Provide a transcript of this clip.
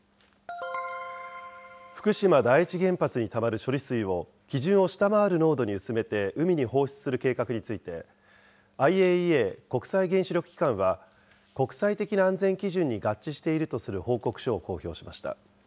福島第一原発にたまる処理水を基準を下回る濃度に薄めて海に放出する計画について、ＩＡＥＡ・国際原子力機関は、国際的な安全基準に合致しているとする報告書を公表しました。